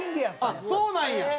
あっそうなんや！